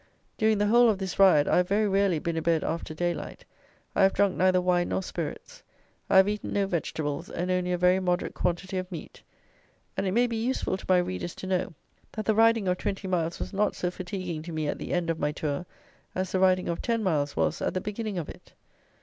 During the whole of this ride, I have very rarely been a bed after day light; I have drunk neither wine nor spirits. I have eaten no vegetables, and only a very moderate quantity of meat; and, it may be useful to my readers to know, that the riding of twenty miles was not so fatiguing to me at the end of my tour as the riding of ten miles was at the beginning of it.